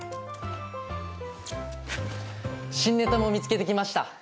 新ネタも見つけて来ました！